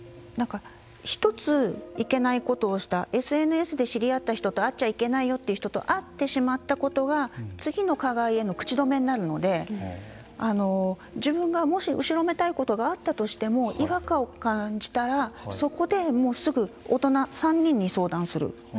１ついけないことをしたＳＮＳで知り合った人と会っちゃいけないよという人と会ってしまったことが次の加害への口止めになるので自分がもし、後ろめたいことがあったとしても違和感を感じたらそこですぐ大人３人に相談する。